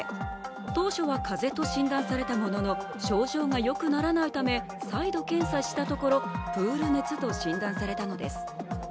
当初は風邪と診断されたものの症状がよくならないため再度検査したところプール熱と診断されたのです。